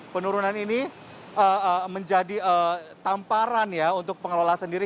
penurunan ini menjadi tamparan ya untuk pengelola sendiri